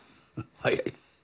はい。